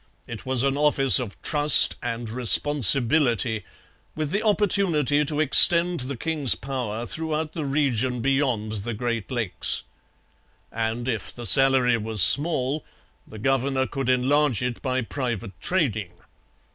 It was an office of trust and responsibility, with the opportunity to extend the king's power throughout the region beyond the Great Lakes. And if the salary was small, the governor could enlarge it by private trading.